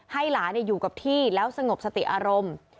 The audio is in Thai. ให้หลานอยู่กับที่แล้วสงบสติอารมณ์